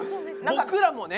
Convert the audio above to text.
僕らもね！